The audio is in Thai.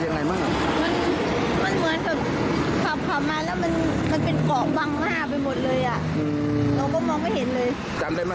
เกาะกลับมาห้ามาไปหมดเลยอ่ะอืมเราก็มองไม่เห็นเลยจำได้มั้ย